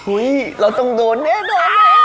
อุ้ยเราต้องโดนเน่